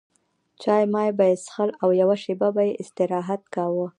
چای مای به یې څښل او یوه شېبه به یې استراحت کاوه.